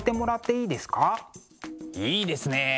いいですねえ！